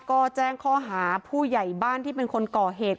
ก็แจ้งข้อหาผู้ใหญ่บ้านที่เป็นคนก่อเหตุ